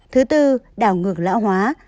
thứ tư đảo ngược lão hóa